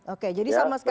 oke jadi sama sekali